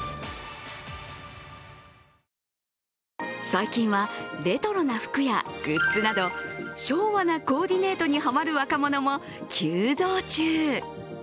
最近はレトロな服やグッズなど昭和なコーディネートにハマる若者も急増中。